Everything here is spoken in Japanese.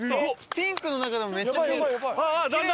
ピンクの中でもめっちゃピンク。